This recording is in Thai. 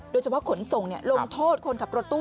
โดยเฉพาะขนส่งลงโทษคนขับรถตู้